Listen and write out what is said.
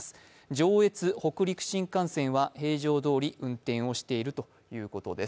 上越・北陸新幹線は平常通り運転をしているということです。